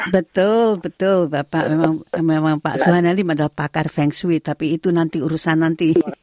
betul betul bapak memang pak suhanalim adalah pakar feng shui tapi itu nanti urusan nanti